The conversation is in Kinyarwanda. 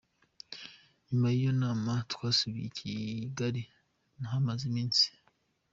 Nyuma y’iyo nama twasubiye i Kigali, nahamaze iminsi.